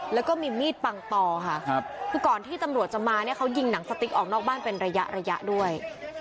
แล้วก็มีมีดปังต่อค่ะคือก่อนที่ตำรวจจะมาเนี่ยเขายิงหนังสติ๊กออกนอกบ้านเป็นระยะระยะด้วย